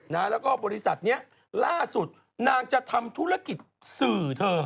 แล้วก็บริษัทนี้ล่าสุดนางจะทำธุรกิจสื่อเธอ